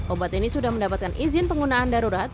obat ini sudah mendapatkan izin penggunaan darurat